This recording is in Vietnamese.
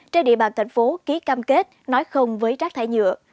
trên địa bàn thành phố ký cam kết nói không với rác thải nhựa